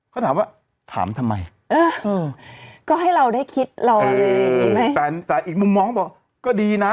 เขาถามว่าถามทำไมเออก็ให้เราได้คิดเราแต่อีกมุมมองบอกก็ดีนะ